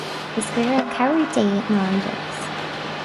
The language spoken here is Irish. Is gaire cabhair Dé ná an doras.